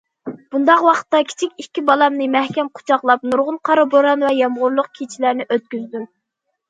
بۇنداق ۋاقىتتا كىچىك ئىككى بالامنى مەھكەم قۇچاقلاپ نۇرغۇن قارا بوران ۋە يامغۇرلۇق كېچىلەرنى ئۆتكۈزدۈم.